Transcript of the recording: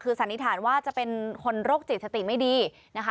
คือสันนิษฐานว่าจะเป็นคนโรคจิตสติไม่ดีนะคะ